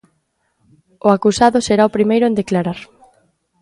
O acusado será o primeiro en declarar.